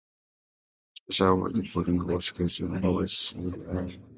Spaceland Recordings occasionally published live albums recorded at the club.